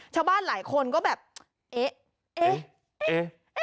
ชาวบ้านหลายคนก็แบบเอ๊ะเอ๊ะ